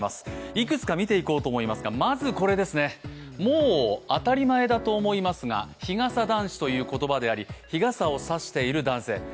いくつか見ていこうと思いますが、まずこれですね、もう当たり前だと思いますが日傘男子という言葉であり日傘を差している男性。